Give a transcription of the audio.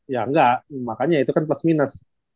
ya enggak makanya itu kan plus minus